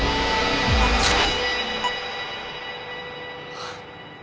あっ。